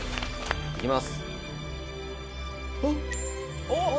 「いきます」